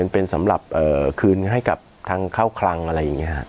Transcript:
เป็นสำหรับคืนให้กับทางเข้าคลังอะไรอย่างนี้ครับ